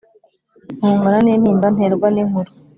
Ntongana n’intimba Nterwa n’inkuru